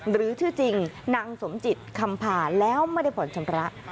หรือชื่อจริงนางสมจิตคำพาแล้วไม่ได้ผ่อนชำระ